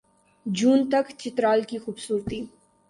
جون تک چترال کی خوبصورتی